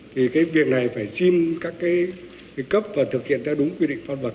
thì cái việc này phải xin các cái cấp và thực hiện theo đúng quy định pháp luật